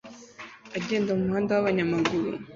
agenda mumuhanda wabanyamaguru